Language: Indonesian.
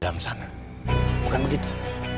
dalam sana bukan begitu